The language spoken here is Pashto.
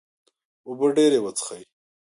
اوبه ډیرې وڅښئ